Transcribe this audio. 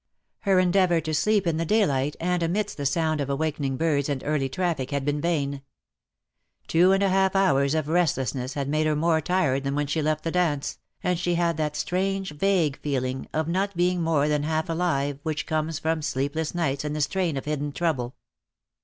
Her endeavour to sleep in the daylight and amidst the sound of awakening birds and early traffic had been vain. Two and a half hours of restlessness had made her more tired than when she left the dance, and she had that strange vague feeling of not being more than half alive which comes from sleepless nights and the strain of hidden trouble.